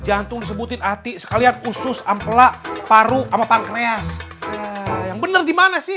jantung sebutin ati sekalian usus ampela paru sama pankreas yang bener gimana sih